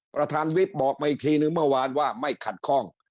ประธานวิทย์บอกมาอีกทีนึงเมื่อวานว่าไม่ขัดข้อง